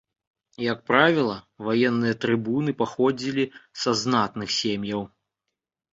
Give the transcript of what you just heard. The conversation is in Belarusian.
Як правіла, ваенныя трыбуны паходзілі са знатных сем'яў.